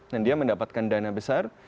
dan dia mendapatkan dana besar